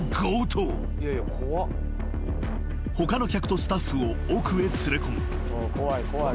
［他の客とスタッフを奥へ連れ込む］